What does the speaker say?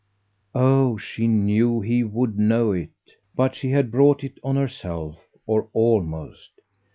Oh she knew he would know it. But she had brought it on herself or almost.